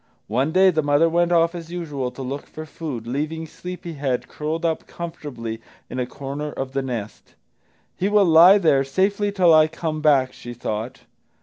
One day the mother went off as usual to look for food, leaving Sleepy head curled up comfortably in a corner of the nest. "He will lie there safely till I come back," she thought.